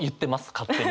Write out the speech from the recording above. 勝手に。